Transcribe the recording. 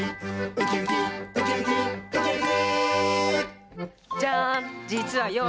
「ウキウキウキウキウキウキ」